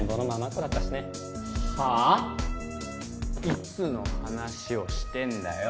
いつの話をしてんだよ